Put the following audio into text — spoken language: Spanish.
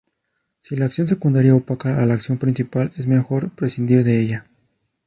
Si la acción secundaria opaca a la acción principal, es mejor prescindir de ella.